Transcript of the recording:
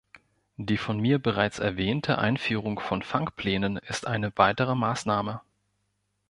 Die von mir bereits erwähnte Einführung von Fangplänen ist eine weitere Maßnahme.